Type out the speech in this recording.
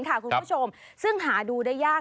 คุณผู้ชมซึ่งหาดูได้ยาก